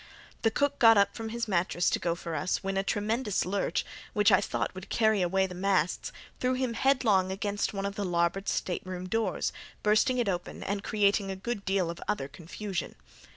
The cook got up from his mattress to go for us, when a tremendous lurch, which I thought would carry away the masts, threw him headlong against one of the larboard stateroom doors, bursting it open, and creating a good deal of other confusion.